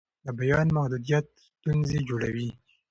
د بیان محدودیت ستونزې جوړوي